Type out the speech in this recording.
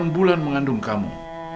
sembilan bulan mengandung kamu